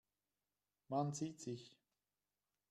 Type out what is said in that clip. Man sieht sich.